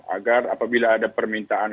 agar apabila ada permintaan